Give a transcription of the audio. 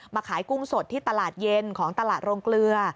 ขายกุ้งสดที่ตลาดเย็นของตลาดโรงเกลือ